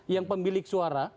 yang pemilik suara